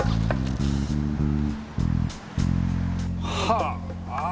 はあ！